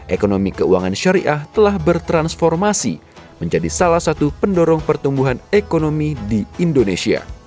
ekonomi keuangan syariah telah bertransformasi menjadi salah satu pendorong pertumbuhan ekonomi di indonesia